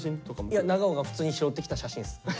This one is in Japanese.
いや長尾が普通に拾ってきた写真っす。